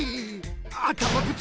あたまぶつけた。